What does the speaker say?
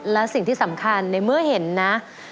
และสิ่งที่สำคัญในเมื่อเห็นนะ